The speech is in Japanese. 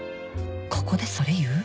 ここでそれ言う？